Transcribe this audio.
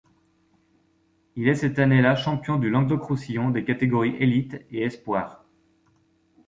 Il est cette année-là champion du Languedoc-Roussillon des catégories élite et espoirs.